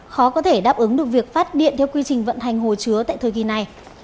khó có thể đáp ứng được việc phát điện theo quy trình vận hành hồ chứa tại thời kỳ này